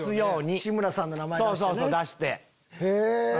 志村さんの名前出してね。